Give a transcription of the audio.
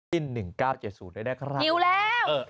กิน๑๙๗๐ได้ได้ครับ